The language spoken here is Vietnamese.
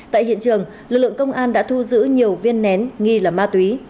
tại hiện trường lực lượng công an đã thu giữ nhiều viên nén nghi là ma túy